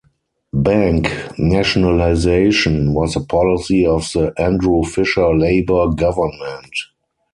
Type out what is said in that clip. Bank Nationalisation was the policy of the Andrew Fisher Labor Government.